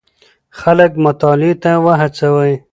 خلک مطالعې ته وهڅوئ.